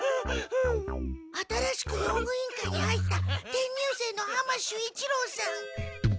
新しく用具委員会に入った転入生の浜守一郎さん。